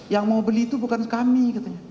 yang mau beli itu bukan kami katanya